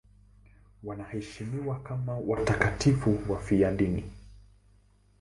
Wanaheshimiwa kama watakatifu wafiadini.